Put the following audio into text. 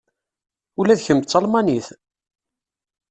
Ula d kemm d Talmanit?